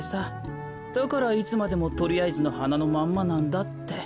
だからいつまでもとりあえずのはなのまんまなんだって。